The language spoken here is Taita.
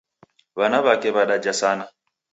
W'ana w'ake w'adaja sana